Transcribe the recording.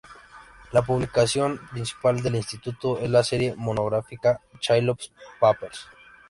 La publicación principal del instituto es la serie monográfica Chaillot Papers.